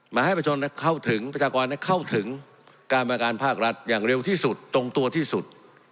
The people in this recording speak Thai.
มาให้ประชนเข้าถึงประชากรเข้าถึงการบริการภาครัฐอย่างเร็วที่สุดตรงตัวที่สุด